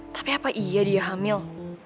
tapi apa iya dia hamil